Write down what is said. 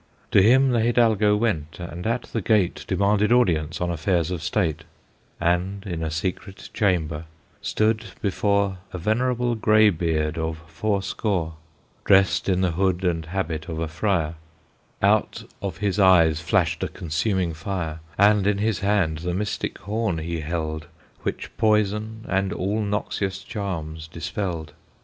To him the Hidalgo went, and at the gate Demanded audience on affairs of state, And in a secret chamber stood before A venerable graybeard of fourscore, Dressed in the hood and habit of a friar; Out of his eyes flashed a consuming fire, And in his hand the mystic horn he held, Which poison and all noxious charms dispelled.